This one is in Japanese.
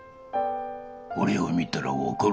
俺を見たら分かるだろ